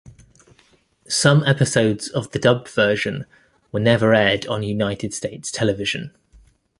Some episodes of the dubbed version were never aired on United States television.